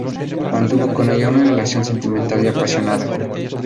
Mantuvo con ella una relación sentimental y apasionada.